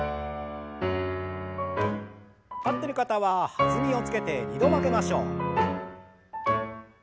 立ってる方は弾みをつけて２度曲げましょう。